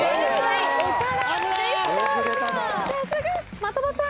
的場さん。